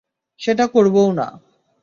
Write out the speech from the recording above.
সেটা করবোও না।